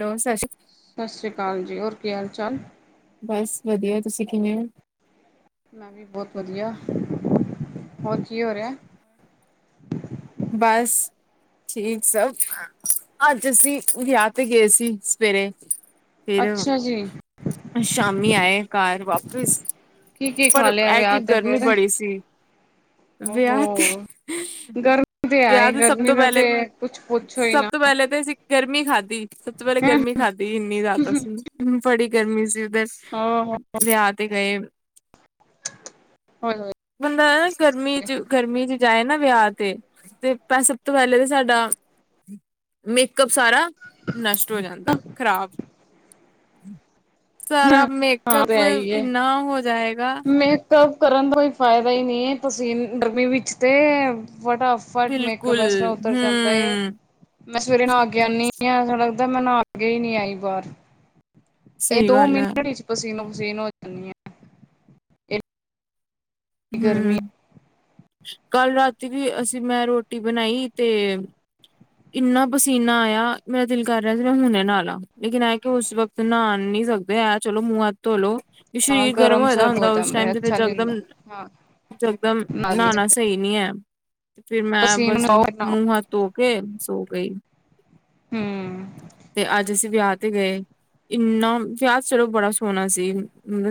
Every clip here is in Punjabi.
ਹੈਲੋ ਸਤ ਸ਼੍ਰੀ ਸਤਿ ਸ਼੍ਰੀ ਅਕਾਲ ਜੀ। ਹੋਰ ਕੀ ਹਾਲ ਚਾਲ? ਬਸ ਵਧੀਆ ਤੁਸੀਂ ਕਿਵੇਂ ੳ? ਮੈਂ ਵੀ ਬੋਤ ਵਧੀਆ। ਹੋਰ ਕੀ ਹੋ ਰਿਹਾ? ਬਸ ਠੀਕ ਸਭ, ਅੱਜ ਅਸੀ ਵਿਆਹ ਤੇ ਗਏ ਸੀ ਸਵੇਰੇ। ਫੇਰ ਅੱਛਾ ਜੀ ਸ਼ਾਮੀ ਆਏ ਘਰ ਵਾਪਿਸ। ਕੀ ਕੀ ਖਾ ਪਰ ਲਿਆ ਐਤਕੀ ਵਿਆਹ ਤੇ ਗਰਮੀ ਫੇਰ ਬੜੀ ਸੀ। ਵਿਆਹ ਤੇ ਓਹੋ ਗਰਮੀ ਵਿਆਹ ਆਏ ਤੇ ਸਭ ਗਰਮੀ ਤੋਂ ਦਾ ਪਹਲੇ ਤੇ ਕੁਛ ਪੁੱਛੋ ਹੀ ਸਭ ਨਾ ਤੋ ਪਹਲੇ ਤੇ ਅਸੀ ਗਰਮੀ ਖਾਧੀ, ਸਭ ਤੋ ਪਹਲੇ ਗਰਮੀ ਖਾਧੀ ਇੰਨੀ ਜ਼ਿਆਦਾ ਸੀ। ਹੂੰ, ਬੜੀ ਗਰਮੀ ਸੀ ਉਧਸ ਹਾਂ ਵਿਆਹ ਤੇ ਗਏ ੳਏ ਬੰਦਾ ਨਾ ਗਰਮੀ ਚ, ਗਰਮੀ ਚ ਜਾਏ ਨਾ ਵਿਆਹ ਤੇ ਤੇ ਪੈ ਸਭ ਤੋਂ ਪਹਲੇ ਤੇ ਸਾਡਾ ਮੇਕਅਪ ਸਾਰਾ ਨਸ਼ਟ ਹੋ ਜਾਂਦਾ ਖਰਾਬ ਸਾਰਾ ਹਾਂ ਤੇ ਮੇਕਅੱਪ ਹੈ ਹੀ ਹੈ ਇੰਨਾ ਹੋ ਜਾਏਗਾ ਮੇਕਅਪ ਕਰਨ ਦਾ ਕੋਈ ਫਾਇਦਾ ਈ ਨਈ ਤੁਸੀਂ ਨ ਡਰਮੀ ਵਿੱਚ ਤੇ ਏ ਫਟਾ ਫਟ ਬਿਲਕੁਲ ਮੇਕਅਪ ਇਸ ਤ੍ਹਰਾਂ ਉੱਤਰ ਜਾਂਦਾ ਏ। ਹੂੰ ਮੈਂ ਸਵੇਰੇ ਨਹਾ ਕੇ ਆਨੀ ਆ ਏਸਾ ਲੱਗਦਾ ਮੈਂ ਨਹਾ ਕੇ ਹੀ ਨੀ ਆਈ ਬਾਹਰ। ਇਹ ਸਹੀ ਦੋ ਗੱਲ ਹੈ ਮਿੰਟ ਵਿੱਚ ਪਸੀਨੋ ਪਸੀਨ ਹੋ ਜਾਨੀ ਏ ਹਮ ਕੱਲ ਰਾਤੀ ਵੀ ਅਸੀਂ ਮੈਂ ਰੋਟੀ ਬਣਾਈ ਤੇ ਇੰਨਾ ਪਸੀਨਾ ਆਇਆ ਮੇਰਾ ਦਿਲ ਕਰ ਰਿਹਾ ਸੀ ਮੈਂ ਹੁਣੇ ਨਾਲਾ ਲੇਕਿਨ ਐ ਕਿਉ ਉਸ ਵਕ ਤੇ ਨਹਾਣ ਨੀ ਸਕਦੇ ਏ ਚਲੋ ਮੂੰਹ ਹੱਥ ਧੋਲੋ। ਹਾਂ ਸਰੀਰ ਗਰਮ ਹੋਏ ਦਾ ਸਰਦ ਹੋ ਹੁੰਦਾ ਉਸ ਜਾਂਦਾ ਟਾਈਮ ਹੈ ਜਿਵੇਂ ਅੱਛਾ ਨਹੀਂ ਹੁੰਦਾ ਜਗਦਮ ਹਾਂ ਜਗਦਮ ਮਾਰ ਨਹੀਂ ਨਹਾਣਾ ਸਕਦੇ ਸ ਸਹੀ ਨੀ ਏ ਤੇ ਫਿਰ ਮੈਂ ਪਸੀਨ ਬਸ ਮੂੰਹ ਹੱਥ ਧੋ ਕੇ ਸੋ ਗਈ। ਹਮ ਤੇ ਅੱਜ ਅਸੀਂ ਵਿਆਹ ਤੇ ਗਏ। ਇੰਨਾ ਵਿਆਹ ਚਲੋ ਬੜਾ ਸੋਹਣਾ ਸੀ।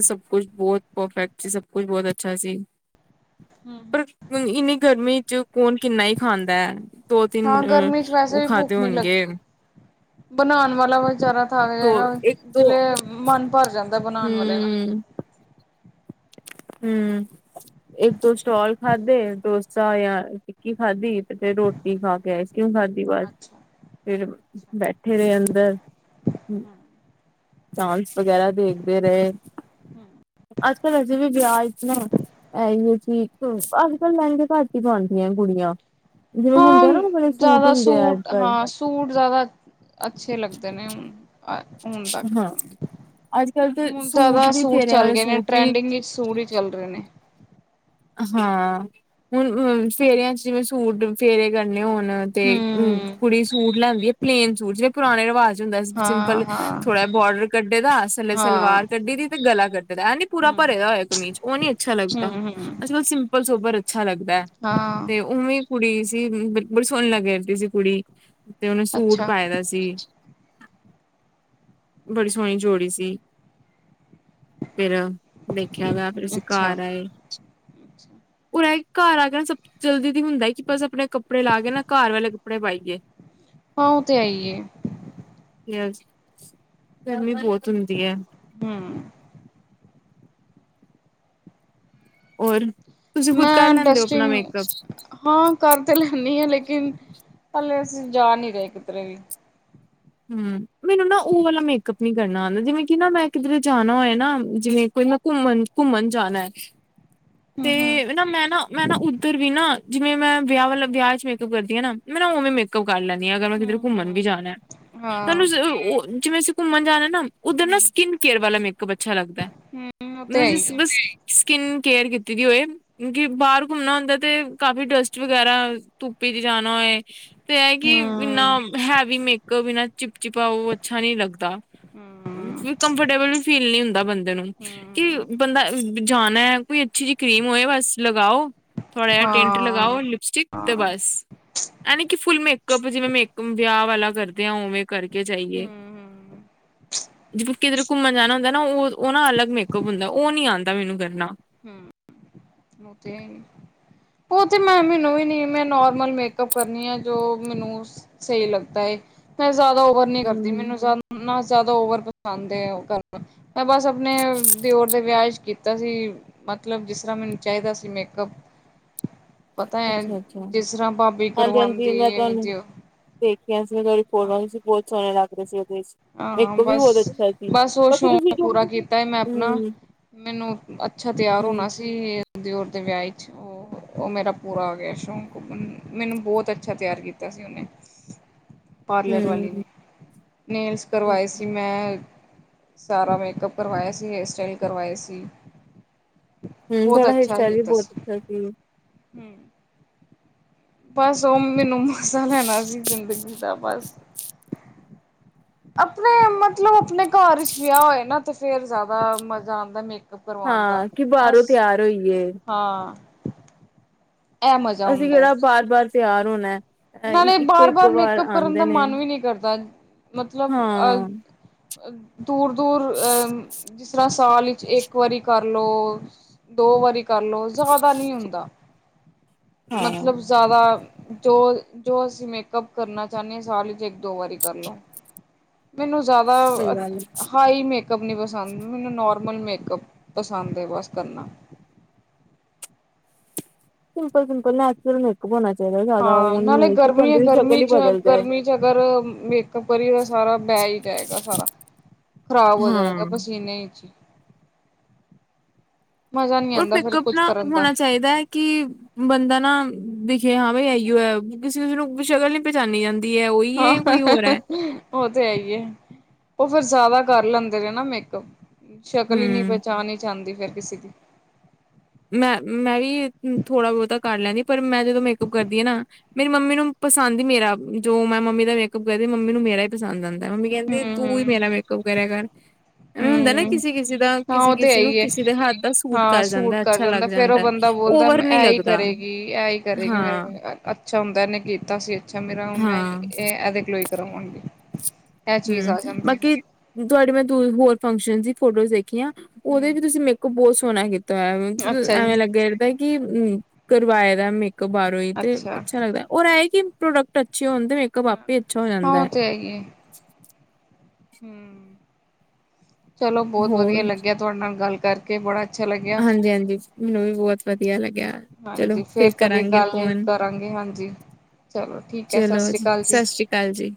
ਸਭ ਕੁਛ ਬੋਤ ਪਰਫੈਕਟ ਸੀ ਸਭ ਕੁਝ ਬਹੁਤ ਅੱਛਾ ਸੀ। ਹੂੰ-ਹੂੰ ਪਰ ਇੰਨੀ ਗਰਮੀ ਚ ਕੋਣ ਕਿੰਨਾ ਈ ਖਾਂਦਾ ਏ ਦੋ ਹਾਂ ਤਿੰਨ ਅ ਗਰਮੀ ਚ ਉਹ ਵੈਸੇ ਵੀ ਖਾਦੇ ਭੁੱਖ ਨੀ ਹੋਣਗੇ ਲੱਗਦੀ ਬਨਾਨ ਵਾਲਾ ਵਿਚਾਰਾ ਥੱਕ ਤੋ ਜੈਗਾ ਇੱਕ ਦੋ ਜਿਲੇ ਮਨ ਭਰ ਜਾਂਦਾ ਬਨਾਣ ਵਾਲਿਆ ਦਾ। ਹੂੰ ਹੂੰ। ਇੱਕ ਦੋ ਸਟੋਲ ਖਾਧੇ ਡੋਸਾ ਯਾਂ ਟਿੱਕੀ ਖਾਧੀ ਤੇ ਰੋਟੀ ਖਾ ਕੇ ਆਈਸਕ੍ਰੀਮ ਖਾਧੀ ਵਸ ਅੱਛਾ ਫਿਰ ਬੈਠੇ ਰਹੇ ਅੰਦਰ ਡਾਂਸ ਵਗੈਰਾ ਦੇਖਦੇ ਰਏ ਹੂੰ। [inaudible] ਇਹੀ ਚੀਕ ਅੱਜ ਕੱਲ ਲਹਿੰਗੇ ਘੱਟ ਹੀ ਪਾਦੀਆਂ ਕੁੜੀਆਂ ਜਿਵੇਂ ਹੁੰਦੇ ਹਾਂ ਆ ਨਾ ਬੜੇ ਸੂਟ ਜ਼ਿਆਦਾ ਹੁੰਦੇ ਆ ਅੱਜ ਸੂਟ ਕੱਲ੍ਹ ਹਾਂ ਸੂਟ ਜਿਆਦਾ ਅੱਛੇ ਲੱਗਦੇ ਨੇ ਹੁਣ ਅ ਤੱਕ ਹਾਂ ਅੱਜ ਕੱਲ ਤੇ ਹੂਨ ਜਾਦਾ ਵੀ ਸੂਟ ਫੇਰਿਆਂ ਚੱਲ ਵਾਲੇ ਗੇ ਨੇ ਸੂਟ ਵੀ ਟ੍ਰੈਂਡਿੰਗ ਵਿੱਚ ਸੂਟ ਈ ਚੱਲ ਰੇ ਨੇ। ਹਾਂ ਹੁਣ ਅ ਫੇਰਿਆਂ ਚ ਜਿਵੇਂ ਸੂਟ ਫੇਰੇ ਕਰਨੇ ਹੋਣ ਨ ਤੇ ਹਮ ਕੁੜੀ ਸੂਟ ਲੈਂਦੀ ਆ ਪਲੇਨ ਸੂਟ ਜਿੜੇ ਪੁਰਾਣੇ ਰਿਵਾਜ ਚ ਹੁੰਦਾ ਹਾਂ ਸਿੰਪਲ ਹਾਂ ਥੋੜਾ ਬਾਰਡਰ ਕੱਢੇ ਦਾ ਥੱਲੇ ਹਾਂ ਸਲਵਾਰ ਕੱਢੀ ਦੀ ਤੇ ਗਲਾ ਕੱਢੇ ਦਾ ਐ ਨੀ ਪੂਰਾ ਹਮ ਭਰਿਆ ਹੋਇਆ ਕਮੀਜ਼ ਉਹ ਨੀ ਅੱਛਾ ਲੱਗਤਾ ਹਮ ਹਮ ਅੱਜ ਕੱਲ੍ਹ ਸਿੰਪਲ ਸੋਬਰ ਅੱਛਾ ਲੱਗਦਾ ਹਾਂ ਤੇ ਉਹਵੇ ਕੁੜੀ ਸੀ ਬੜੀ ਸੋਹਣੀ ਲੱਗ ਰਹੀ ਸੀ ਕੁੜੀ ਤੇ ਉਹਨੇ ਸੂਟ ਅੱਛਾ, ਪਾਏ ਦਾ ਸੀ ਬੜੀ ਸੋਹਣੀ ਜੋੜੀ ਸੀ। ਫੇਰ ਦੇਖਿਆ ਗਿਆ। ਫਿਰ ਅਸੀਂ ਘਰ ਆਏ ਅੱਛਾ। ਓਰੇਆਈ ਘਰ ਆ ਗਿਆ ਸਬ ਜਲਦੀ ਦੀ ਹੁੰਦਾ ਕਿ ਬਸ ਆਪਣੇ ਕੱਪੜੇ ਲਾ ਕੇ ਨਾ ਘਰ ਵਾਲੇ ਕੱਪੜੇ ਪਾਈਏ। ਹਾਂ ਉਹ ਤੇ ਏ ਈਏ ਯ ਗਰਮੀ ਬਹੁਤ ਉਂਦੀ ਏ। ਹੂੰ। ਹੋਰ ਤੁਸੀਂ ਖੁਦ ਕਰ ਮੈਂ ਲੈਂਦੇ ਓ ਆਪਣਾ ਡਸਟਿੰਗ ਮੇਕਅਪ। ਹਾਂ ਕਰ ਤੇ ਲੈਣੀ ਆ ਲੇਕਿਨ ਅਲੇ ਅਸੀਂ ਜਾ ਨੀ ਰਹੇ ਕਿਧਰੇ ਵੀ। ਹੂੰ ਮੈਨੂੰ ਨਾ ਉਹ ਵਾਲਾ ਮੇਕਅਪ ਨੀ ਕਰਨਾ ਆਂਦਾ ਜਿਵੇਂ ਕਿ ਨਾ ਮੈਂ ਕਿਧਰੇ ਜਾਣਾ ਓਏ ਨਾ ਜਿਵੇਂ ਕੋਈ ਘੁੰਮਣ-ਘੁੰਮਣ ਜਾਣਾ ਏ ਹੂੰ, ਹੂੰ, ਤੇ ਨਾ ਮੈਂ ਨਾ ਮੈਂ ਨਾ ਉੱਧਰ ਵੀ ਨਾ ਜਿਵੇਂ ਮੈਂ ਵਿਆਹ ਵਾਲਾ ਵਿਆਹ ਚ ਮੇਕਅਪ ਕਰਦੀ ਅ ਨਾ ਮੈਂ ਨਾ ਉਵੇਂ ਮੇ ਕੋ ਕਰ ਲੈਣੀ ਆ ਅਗਰ ਮੈਂ ਕਿਧਰੇ ਹੂੰ, ਘੁੰਮਣ ਵੀ ਜਾਣਾ ਹੂੰ ਤੁਹਾਨੂੰ ਹਾਂ, ਉਹ ਜਿਵੇਂ ਅਸੀਂ ਘੁੰਮਣ ਜਾਣਾ ਨਾ ਉਧਰ ਨਾ ਹੂੰ। ਸਕਿਨ ਕੇਅਰ ਵਾਲਾ ਮੇਕਅਪ ਅੱਛਾ ਲੱਗਦਾ ਹੂੰ, ਉਹ ਤੇ ਹੈ ਹੀ [unintelligible] ਆ। ਬਸ ਸਕਿਨ ਕੇਅਰ ਕੀਤੀ ਦੀ ਹੋਏ ਕਿਉਂਕਿ ਬਾਹਰ ਘੁੰਮਣਾ ਹੁੰਦਾ ਤੇ ਕਾਫੀ ਡਸਟ ਵਗੈਰਾ ਧੁੱਪੀ ਚ ਜਾਣਾ ਹੋਏ ਤੇ ਇਹ ਕਿ ਇੰਨਾ ਹੂੰ, ਹੈਵੀ ਮੇਕਅਪ ਇਨਾ ਚਿਪ ਚਿਪਾ ਉਹ ਅੱਛਾ ਨੀ ਲੱਗਦਾ। ਹੂੰ, ਫ ਕੰਫਰਟੇਬਲ ਵੀ ਫੀਲ ਨੀ ਹੁੰਦਾ ਬੰਦੇ ਨੂੰ। ਕਿ ਹੂੰ। ਬੰਦਾ ਜਾਨਾਐ ਕੋਈ ਅੱਛੀ ਜੀ ਕਰੀਮ ਹੋਏ ਬਸ ਲਗਾਓ ਥੋੜਾ ਜਿਹਾ ਟੈਂਟ ਲਗਾਓ ਹਾਂ, ਲਿਪਸਟਿਕ ਤੇ ਹਾਂ, ਬਸ ਐ ਨੀ ਕਿ ਫੁਲ ਮੇਕਅਪ ਜਿਵੇਂ ਮੇਕ ਵਿਆਹ ਵਾਲਾ ਕਰਦੇ ਆ ਉਵੇਂ ਕਰਕੇ ਜਾਈਏ। [inaudible] ਹੂੰ, ਜਿ ਕਿਧਰ ਘੁੰਮਣ ਜਾਣਾ ਹੁੰਦਾ ਨਾ ਉਹ-ਉਹ ਨਾ ਅਲੱਗ ਮੇਕਅਪ ਹੁੰਦਾ ਉਹ ਨੀ ਆਉਂਦਾ ਮੈਨੂੰ ਕਰਨਾ। ਹੂੰ ਮ ਤੇ ਹੈ ਹੀ। [inaudible] ਉਹ ਤੇ ਮੈਂ ਮੈਨੂੰ ਵੀ ਨੀ ਮੈਂ ਨੋਰਮਲ ਮੇਕਅਪ ਕਰਨੀ ਆ ਜੋ ਮੈਨੂੰ ਸ ਸਈ ਲੱਗਦਾ ਏ ਮੈਂ ਜ਼ਿਆਦਾ ਓਵਰ ਨੀ ਕਰਦੀ ਹਮ ਮੈਨੂੰਦਾ ਨਾ ਜ਼ਿਆਦਾ ਓਵਰ ਪਸੰਦ ਏ ਮੈਂ ਬਸ ਆਪਣੇ ਦਿਓਰ ਦੇ ਵਿਆਹ ਚ ਕੀਤਾ ਸੀ। ਮਤਲਬ ਜਿਸ ਤਰ੍ਹਾਂ ਮੈਨੂੰ ਚਾਹੀਦਾ, ਸੀ ਮੇਕਅੱਪ। ਪਤਾ ਹੈ, ਅੱਛਾ ਅੱਛਾ ਜਿਸ ਤਰ੍ਹਾਂ ਭਾਬੀ ਕਰਵਾਉਂਦੀ ਹੈ ਉਹ। ਦੇਖੀਆਂ ਸੀ ਤੁਹਾ ਫੋਟਾਂ ਸੀ, ਬਹੁਤ ਸੋਹਣੇ ਲੱਗਦੇ ਸੀ ਉਹਦੇ ਵਿੱਚ। ਹਾਂ ਮੇਕੋ ਵੀ ਬਹੁਤ ਬਸ- ਅੱਛਾ ਸੀ ਬਸ, ਉਹ ਬਾਕੀ ਤੁਸੀਂ ਸ਼ੌਕ ਜੋ ਪੂਰਾ ਕੀਤਾ ਮੈਂ ਆਪਣਾ। ਹਮ ਮੈਨੂੰ ਅੱਛਾ ਤਿਆਰ ਹੋਣਾ ਸੀ, ਦਿਓਰ ਦੇ ਵਿਆਹ ਚ ਉਹ। ਉਹ ਮੇਰਾ ਪੂਰਾ ਹੋ ਗਿਆ ਸ਼ੌਕ, ਮੈਨੂੰ ਬਹੁਤ ਅੱਛਾ ਤਿਆਰ ਕੀਤਾ ਸੀ ਉਹਨੇ। [unintelligible] [unintelligible] ਪਾਰਲਰ ਵਾਲੀ ਹਮ ਨੇ ਨੇਲਸ ਕਰਵਾਏ ਹਮ ਸੀ ਮੈਂ। ਸਾਰਾ ਮੇਕਅਪ ਕਰਵਾਇਆ ਸੀ, ਹੇਅਰ ਸਟਾਈਲ ਕਰਵਾਇਏ ਸੀ। ਹਮ, ਬਹੁਤ ਤੁਹਾੜਾ ਅੱਛਾ ਹੇਰਸਟਾਈਲ ਵੀ ਕੀਤਾ ਬਹੁਤ ਸੀ ਅੱਛਾ ਸੀਗਾ। ਹਮ। ਬਸ ਉਹ ਮੈਨੂੰ ਮਸਾ ਲੈਣਾ ਸੀ, ਜ਼ਿੰਦਗੀ ਦਾ ਬਸ। ਆਪਣੇ ਮਤਲਬ ਆਪਣੇ ਘਰ ਵਿਚ ਵਿਆਹ ਹੋਏ,। ਨਾ ਤੇ ਫੇਰ ਜ਼ਿਆਦਾ ਮਜ਼ਾ ਆਉਂਦਾ ਮੇ ਹਾਂ, ਕਿ ਬਾਹਰੋਂ ਤਿਆਰ ਹੋਈਏ। ਹਾਂ। ਇਹ ਮਜ਼ਾ ਅਸੀਂ ਹੁੰਦਾ ਹੈ ਕਿਹੜਾ ਬਾਰ -ਬਾਰ ਤਿਆਰ ਹੋਣਾ। ਅ ਨਾਲੇ ਇੱਕੋ ਬਾਰ- ਇੱਕ ਬਾਰ, ਵਾਰ ਮੇਕਅਪ ਕਰਨ ਦਾ ਆਂਦੇ ਨੇ ਮਨ ਵੀ ਨਹੀਂ ਕਰਦਾ ਮਤਲਬ। ਹਾਂ। ਦੂਰ- ਦੂਰ, ਅਹ ਜਿਸ ਤਰ੍ਹਾਂ ਸਾਲ ਵਿੱਚ ਇੱਕ ਵਾਰੀ ਕਰ ਲਉ। ਦੋ- ਵਾਰੀ, ਕਰਲੋ ਜ਼ਿਆਦਾ ਨਹੀਂ ਹੁੰਦਾ। ਹਾਂ ਮਤਲਬ। ਜ਼ਿਆਦਾ ਜੋ -ਜੋ ਅਸੀਂ ਮੇਕਅਪ ਕਰਨਾ ਚਾਹੁੰਦੇ ਹਾਂ, ਸਾਲ ਚ ਇੱਕ- ਦੋ ਵਾਰੀ ਕਰ ਲਓ। ਮੈਨੂੰ ਜ਼ਿਆਦਾ ਸਹੀ ਗੱਲ ਹੈ ਹਾਈ ਮ। ਮੇਕਅੱਪ ਨਹੀਂ, ਪਸੰਦ ਮੈਨੂੰ ਨਾਰਮਲ ਮੇਕਅਪ ਪਸੰਦ ਹੈ ਬਸ ਕਰਨਾ। ਸ ਸਿੰਪਲ- ਸ ਸਿੰਪਲ ਨਚਲ। ਹਾਂ ਨਾਲੇ ਗਰਮੀ ਹੈ- ਦੀ ਗਰਮੀ ਸ਼ਕਲ ਹੀ ਚ ਬਦਲ ਜਾਏ। ਗਰਮੀ, ਚ ਅਗਰ ਮੇ। ਗਰਮੀ ਦਾ ਸਾਰਾ ਬਹਿ ਹੀ ਜਾਏਗਾ, ਸਾਰਾ ਖ਼ਰਾਬ ਹੋ ਜਾਏਗਾ ਹਾਂ ਪਸੀਨੇ ਚ ਹੀ। ਮਜ਼ਾ ਨਹੀਂ ਉਹ ਆਉਂਦਾ ਫਿਰ ਪਕਅਪ ਕੁਛ ਨਾ ਕਰਨ ਦਾ। ਹੋਣਾ ਚਾਹੀਦਾ ਹੈ। ਕਿ ਬੰਦਾ ਨਾ ਦਿਖੇ ਹਾਂ ਬਾਈ ਇਓ ਹੈ, ਕਿਸੇ ਉਸਨੂੰ ਸ਼ਕਲ ਨੀ ਪਚਾਨੀ ਜਾਂਦੀ। ਦੀ ਹੈ ਉਹੀ ਹਾਂ ਹੈ, ਕੋਈ ਹੋਰ ਹੈ। ਉਹ ਤੇ ਹੈ ਹੀ ਹੈ। ਉਹ ਫਿਰ ਜ਼ਿਆਦਾ ਕਰ ਲੈਂਦੇ ਰਹੇ ਨਾ ਮੇਕਅਪ। ਸ਼ਕਲ ਹੀ ਨਹੀਂ ਹੂੰ। ਪਹੁੰਚਾ ਨਹੀਂ ਜਾਂ ਹੁੰਦੀ ਫੇਰ ਕਿਸੇ ਦੀ। ਮੈਂ- ਮੈਂ ਵੀ ਥੋੜਾ- ਬਹੁਤਾ ਕਰ ਲੈਂਦੀ, ਪਰ ਮੈਂ ਜਦੋਂ ਮੇਕਅੱਪ ਕਰਦੀ ਹਾਂ ਨਾ। ਮੇਰੀ ਮੰਮੀ ਨੂੰ ਪਸੰਦ ਹੀ ਮੇਰਾ, ਜੋ ਮੈਂ ਮੰਮੀ ਦਾ ਮੇਕਅਪ ਕਰਦੀ, ਮ ਮੰਮੀ ਨੂੰ ਮੇਰਾ ਹੀ ਪਸੰਦ ਆਉਂਦਾ। ਮੰਮੀ ਕਹਿੰਦੇ ਤੂੰ ਹੀ ਹੂੰ ਮੇਰਾ ਮੇਕਅਪ ਕਰਿਆ ਕਰ। ਹੁੰਦਾ ਨਾ ਹੂੰ ਕਿਸੇ- ਕਿਸੇ ਦਾ, ਹਾਂ ਕਿਸੇ ਉਹ ਤੇ ਹੈ -ਕਿਸੇ ਨੂੰ, ਹੀ ਹੈ ਕਿਸੇ ਦੇ ਹੱਥ ਦਾ ਸੂਟ ਹਾਂ ਕਰ ਸੂਟ ਜਾਂਦਾ। ਕਰ ਅੱਛਾ ਲੱਗ ਜਾਂਦਾ ਫੇਰ ਉਹ ਬੰਦਾ ਬੋਲਦਾ, ਓਵਰ ਨੀ ਇਹ ਹੀ ਲੱਗਦਾ ਕਰੇਗੀ, ਇਹ ਹੀ ਕਰੇਗੀ ਹਾਂ ਮੇਰੇ। ਅੱਛਾ ਹੁੰਦਾ ਇਹਨੇ ਕੀਤਾ ਸੀ ਅੱਛਾ ਮੇਰਾ ਮੈਂ ਹਾਂ ਇਹ ਇਹਦੇ ਕਲੋਈ ਕਰਾਵਾਂਗੀ। ਇਹ ਚੀਜ਼ ਆ ਜਾਂਦੀ ਹੈ ਫਿਰ। ਤੁਹਾਡੀ ਮੈਂ ਦ ਹੋਰ ਫੰਕਸ਼ਨ ਦੀ ਫੋਟੋਜ਼ ਦੇਖੀਆਂ। ਉਹਦੇ ਹੂੰ ਚ' ਤੁਸੀਂ ਮੇਕਅਪ ਬਹੁਤ ਸੋਹਣਾ ਕੀਤਾ। ਅੱਛਾ ਜੀ ਐਵੇਂ ਲੱਗਿਆ, ਕਿ ਕਰਵਾਏ ਦਾ ਮੇਕਅਪ ਬਰ ਤੇ ਅੱਛਾ ਲੱਗਦਾ ਰੈ, ਇਹਏ ਕਿ ਪ੍ਰੋਡਕਟ ਅੱਛੇ ਹੋਣ ਤੇ ਮੇਕਅਪ ਆਪ ਹੀ ਅੱਛਾ ਹੋ ਜਾਂਦਾ ਹੈ। ਹੈਏ। ਹੂ, ਚਲੋ ਬਹੁਤ ਹੋਰ ਵਧੀਆ ਲੱਗਿਆ ਤੁਹਾਡੇ ਨਾਲ ਗੱਲ ਕਰਕੇ ਬੜਾ ਅੱਛਾ ਲੱਗਿਆ। ਹਾਂਜੀ- ਹਾਂਜੀ, ਮੈਨੂੰ ਵੀ ਬਹੁਤ ਵਧੀਆ ਲੱਗਿਆ ਚਲੋ ਹਾਂਜੀ ਫ ਫੇਰ ਕਦੇ ਗੱਲ ਕਰਾਂਗੇ ਹਾਂਜੀ ਚਲੋ ਠੀਕ ਹੈ, ਸਤਿ ਸ਼੍ਰੀ ਅਕਾਲ ਜੀ। ਚੱਲਜੀ।